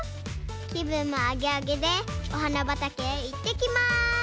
きぶんもアゲアゲでおはなばたけへいってきます。